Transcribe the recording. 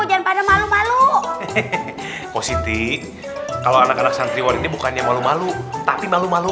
jangan pada malam malu posisi kalau anak anak santri war ini bukannya malu malu tapi malu malu